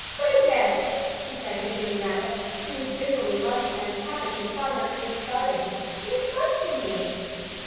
"Goodness!" she said to Jimmy Rabbit, who was busily munching cabbage in Farmer Green's garden. "You frighten me!"